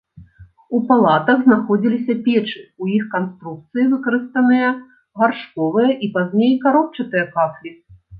У палатах знаходзіліся печы, у іх канструкцыі выкарыстаныя гаршковыя і пазней каробчатыя кафлі.